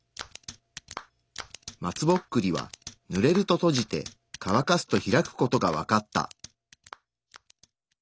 松ぼっくりはぬれると閉じてかわかすと開く事が分かった。